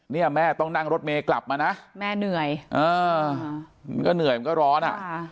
เนี่ยแม่ต้องนั่งรถเมย์กลับมานะแม่เหนื่อยเออมันก็เหนื่อยมันก็ร้อนอ่ะ